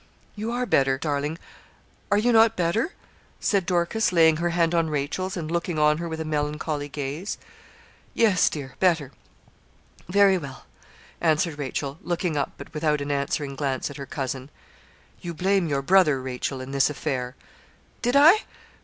'You are better, darling; are not you better?' said Dorcas, laying her hand on Rachel's, and looking on her with a melancholy gaze. 'Yes, dear, better very well' answered Rachel, looking up but without an answering glance at her cousin. 'You blame your brother, Rachel, in this affair.' 'Did I?